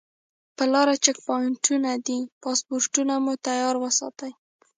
پر لاره چیک پواینټونه دي پاسپورټونه مو تیار وساتئ.